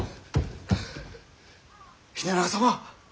秀長様！